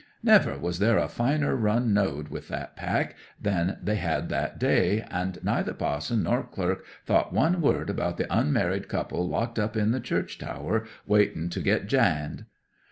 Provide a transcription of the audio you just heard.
Never was there a finer run knowed with that pack than they had that day; and neither pa'son nor clerk thought one word about the unmarried couple locked up in the church tower waiting to get j'ined.